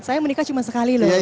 saya menikah cuma sekali loh